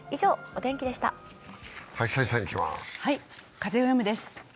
「風をよむ」です。